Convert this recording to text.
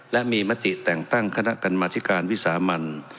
และมีมติแต่งตั้งคณะกรรมธิการวิสามัน